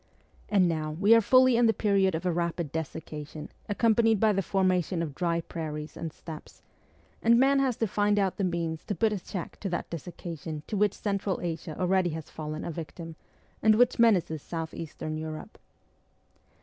And now we are fully in the period of a rapid desiccation, accompanied by the formation of dry prairies and steppes, and man has to find out the means to put a check to that de siccation to which Central Asia already has fallen a victim, and which menaces South Eastern Europe.